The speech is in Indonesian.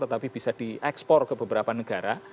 tetapi bisa diekspor ke beberapa negara